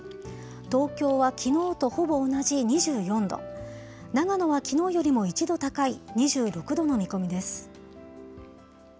東京はきのうとほぼ同じ２４度、長野はきのうよりも１度高い２６度の見込みです。